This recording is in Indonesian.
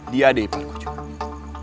dia adik aku juga